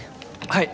はい！